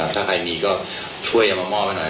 ถ้าใครมีก็ช่วยอำมาตย์มาหน่อย